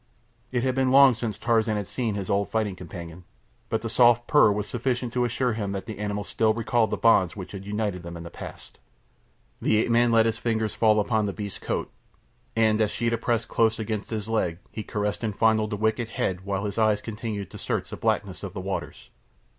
It had been long since Tarzan had seen his old fighting companion, but the soft purr was sufficient to assure him that the animal still recalled the bonds which had united them in the past. The ape man let his fingers fall upon the beast's coat, and as Sheeta pressed close against his leg he caressed and fondled the wicked head while his eyes continued to search the blackness of the waters.